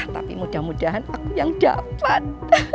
tapi mudah mudahan aku yang dapat